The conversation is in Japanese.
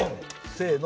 せの！